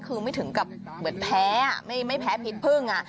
คือไม่ถึงกับเหมือนแพ้ไม่แพ้พิษพึ่ง